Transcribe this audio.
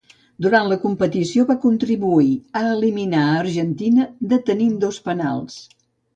Durant la competició, va contribuir a eliminar a Argentina detenint dos penals.